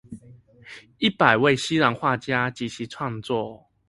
一百位西洋畫家及其創作